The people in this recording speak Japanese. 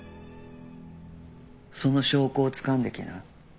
その証拠をつかんできな。